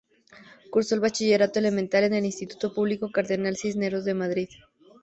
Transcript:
Cursó el Bachillerato elemental en el instituto público Cardenal Cisneros de Madrid.